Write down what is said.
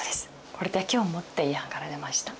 これだけを持ってイランから出ました。